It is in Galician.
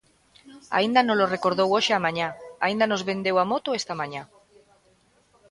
Aínda nolo recordou hoxe á mañá, aínda nos vendeu a moto esta mañá.